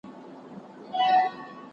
طلاق په کومو حالاتو کي مباح وي؟